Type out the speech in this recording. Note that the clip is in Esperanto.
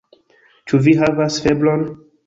Ĉu vi havas febron?